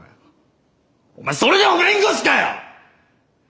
お前それでも弁護士かよ！